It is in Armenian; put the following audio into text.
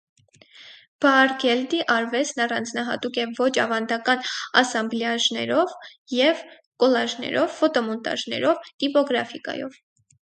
Բաառգելդի արվեստն առանձնահատուկ է ոչ ավանդական ասամբլյաժներով և կոլաժներով, ֆոտոմոնտաժներով, տիպոգրաֆիկայով։